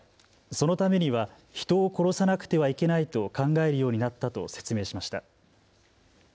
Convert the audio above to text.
そのためには人を殺さなくてはいけないと考えるようになったと説明しました。